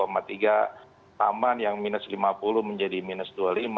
taman yang minus lima puluh menjadi minus dua puluh lima